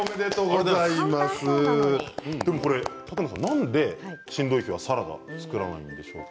なんでしんどい日はサラダ作らないんでしょうか。